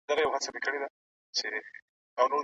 هغه وايي چې څېړنه په کم کسانو شوې ده.